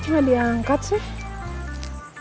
ini nggak diangkat suf